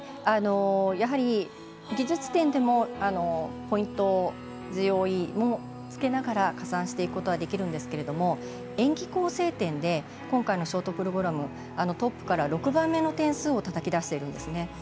やはり、技術点でもポイント、ＧＯＥもつけながら加算していくことはできるんですけども演技構成点で今回のショートプログラムトップから６番目の点数をたたき出しているんですね。